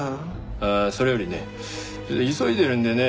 ああそれよりね急いでるんでね